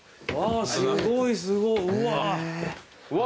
すごいすごいうわ！